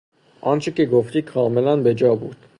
آنچه که گفتی کاملا بجا بود.